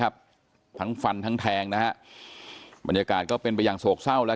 ทั้งฟันทั้งแทงนะฮะบรรยากาศก็เป็นไปอย่างโศกเศร้าแล้ว